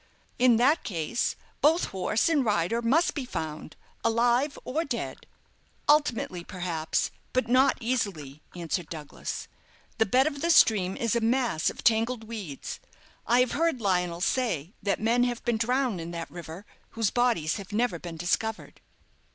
"In that case both horse and rider must be found alive or dead." "Ultimately, perhaps, but not easily," answered Douglas; "the bed of the stream is a mass of tangled weeds. I have heard Lionel say that men have been drowned in that river whose bodies have never been discovered."